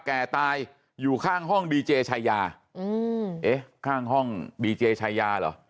ตายอยู่ข้างห้องดีเจชายาอืมเอ๊ะข้างห้องดีเจชายาเหรอ